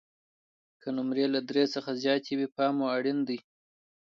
که نمرې له درې څخه زیاتې وي، پام مو اړین دی.